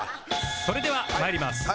それでは参ります。